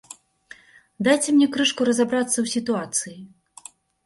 Дайце мне крышку разабрацца ў сітуацыі.